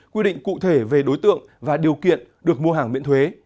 quy định cụ thể về đối tượng và điều kiện được mua hàng miễn thuế